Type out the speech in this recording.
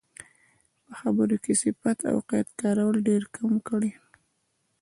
په خبرو کې صفت او قید کارول ډېرکم کړئ.